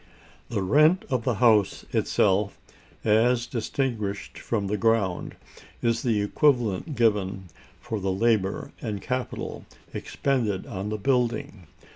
The rent of the house itself, as distinguished from the ground, is the equivalent given for the labor and capital expended on the building.